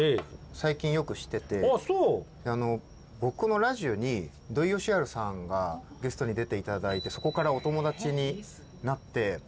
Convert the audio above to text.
最近よくしてて僕のラジオに土井善晴さんがゲストに出ていただいてそこからお友だちになって。